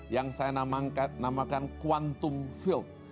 yang saya namakan kuantum field